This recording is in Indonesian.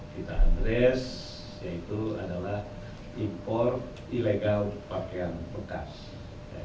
kita addres yaitu adalah impor ilegal pakaian bekas